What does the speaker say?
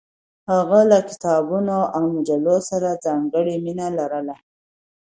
هغه له کتابونو او مجلو سره ځانګړې مینه لرله.